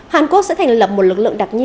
hàn quốc sẽ thành lập một lực lượng đặc nhiệm